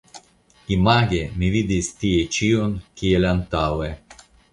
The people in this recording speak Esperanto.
Image mi vidis tie ĉion kiel antaŭe.